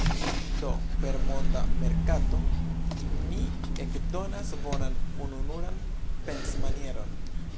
Do, per monda merkato, ni ekdonas bonan, ununuran pensmanieron.